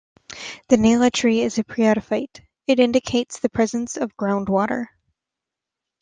The nyala tree is a phreatophyte - it indicates the presence of ground water.